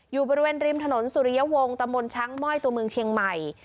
อยู่บริเวณริมถนนสุริยวงศ์ตะมนต์ช้างม่อยตัวเมืองเชียงใหม่